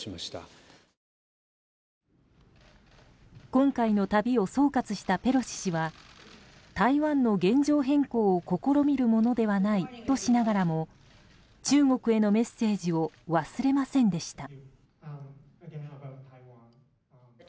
今回の旅を総括したペロシ氏は台湾の現状変更を試みるものではないとしながらも中国へのメッセージを忘れませんでした。